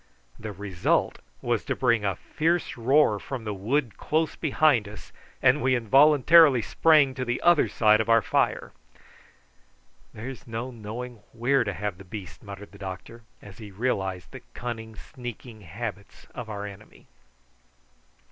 The result was to bring a fierce roar from the wood close behind us, and we involuntarily sprang to the other side of our fire. "There's no knowing where to have the beast," muttered the doctor, as he realised the cunning sneaking habits of our enemy.